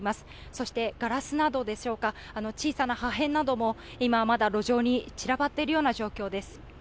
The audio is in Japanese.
そしてガラスなどでしょうか小さな破片なども今、まだ路上に散らばっているような状況です。